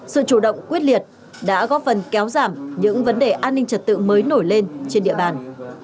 sự chủ động quyết liệt đã góp phần kéo giảm những vấn đề an ninh trật tự mới nổi lên trên địa bàn